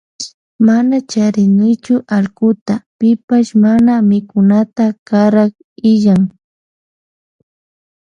Mana charinichu allkuta pipash mana mikunata karak illan.